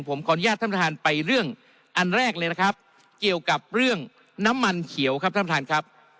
ผมขออนุญาตท่านประธานไปเรื่องอันแรกเลยนะครับเกี่ยวกับเรื่องน้ำมันเขียวครับท่านประธานครับ